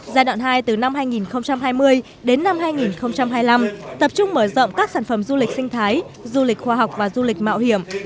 giai đoạn hai từ năm hai nghìn hai mươi đến năm hai nghìn hai mươi năm tập trung mở rộng các sản phẩm du lịch sinh thái du lịch khoa học và du lịch mạo hiểm